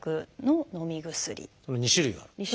この２種類がある。